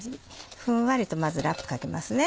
ふんわりとまずラップかけますね。